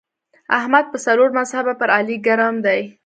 احمد په څلور مذهبه پر علي ګرم دی.